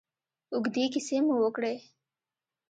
اوږدې کیسې مو وکړې.